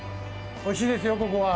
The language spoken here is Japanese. おいしいですよ、ここは。